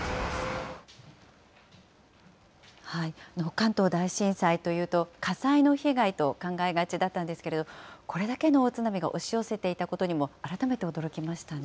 関東大震災というと、火災の被害と考えがちだったんですけれど、これだけの大津波が押し寄せていたことにも改めて驚きましたね。